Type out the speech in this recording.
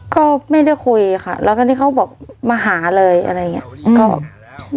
ก็ไม่ได้คุยค่ะแล้วก็นี่เขาบอกมาหาเลยอะไรอย่างนี้